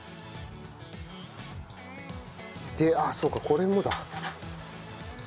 であっそうかこれもだ。